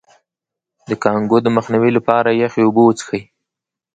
د کانګو د مخنیوي لپاره یخې اوبه وڅښئ